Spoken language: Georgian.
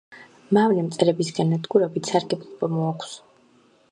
მავნე მწერების განადგურებით სარგებლობა მოაქვს.